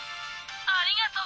ありがとう！